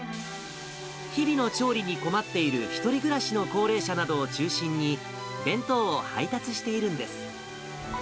日々の調理に困っている１人暮らしの高齢者などを中心に、弁当を配達しているんです。